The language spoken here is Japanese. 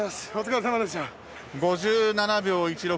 ５７秒１６。